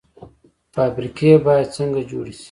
فابریکې باید څنګه جوړې شي؟